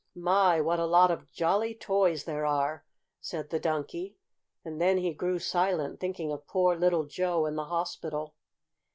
"My, what a lot of jolly toys there are!" said the Donkey. And then he grew silent, thinking of poor little Joe in the hospital.